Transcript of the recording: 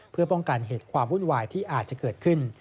เพื่อป้องกันเหตุความวุ่นวายที่อาจจะเกิดขึ้น